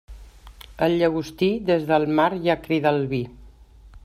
El llagostí, des del mar ja crida el vi.